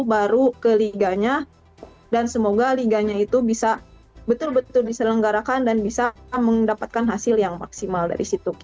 baru ke liganya dan semoga liganya itu bisa betul betul diselenggarakan dan bisa mendapatkan hasil yang maksimal dari situ